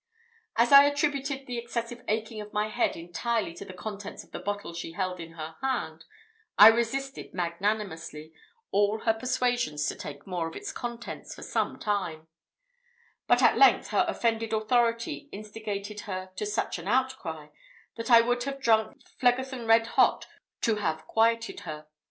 As I attributed the excessive aching of my head entirely to the contents of the bottle she held in her hand, I resisted magnanimously all her persuasions to take more of its contents for some time; but at length her offended authority instigated her to such an outcry, that I would have drunk Phlegethon red hot to have quieted her.